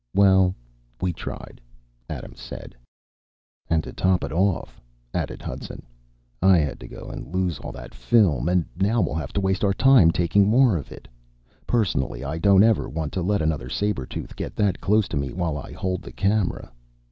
"Well, we tried," Adams said. "And to top it off," added Hudson, "I had to go and lose all that film and now we'll have to waste our time taking more of it. Personally, I don't ever want to let another saber tooth get that close to me while I hold the camera."